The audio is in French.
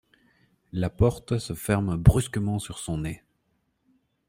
La porte se ferme brusquement sur son nez.